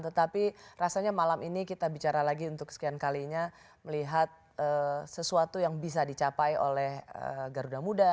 tetapi rasanya malam ini kita bicara lagi untuk sekian kalinya melihat sesuatu yang bisa dicapai oleh garuda muda